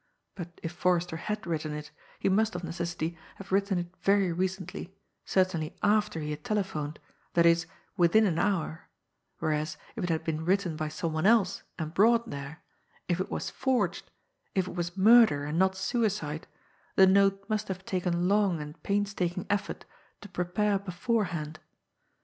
But if Forrester had written it, he must of necessity have written it very recently, certainly after he had telephoned, that is, within an hour; whereas, if it had been written by some one else and brought there, if it was forged, if it was murder and not suicide, the note must have taken long and painstaking effort to prepare beforehand.